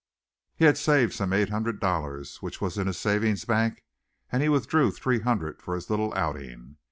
He had saved some eight hundred dollars, which was in a savings bank and he withdrew three hundred for his little outing.